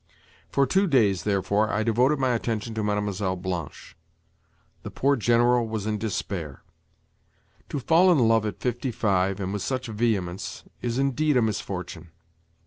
For two days, therefore, I devoted my attention to Mlle. Blanche. The poor General was in despair! To fall in love at fifty five, and with such vehemence, is indeed a misfortune!